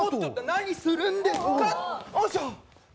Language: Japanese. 何するんですか？